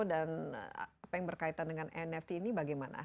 dan apa yang berkaitan dengan nft ini bagaimana